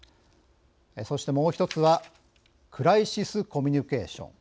そして、もう１つはクライシスコミュニケーション